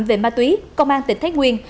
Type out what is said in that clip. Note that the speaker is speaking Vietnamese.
về ma túy công an tỉnh thái nguyên